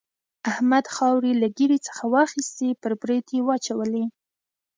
احمد خاورې له ږيرې څخه واخيستې پر برېت يې واچولې.